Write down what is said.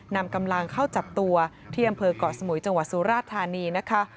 นำกำลังเข้าจับตัวที่อำเภอกเกาะสมุยจังหวัดสุราธานีนะคะ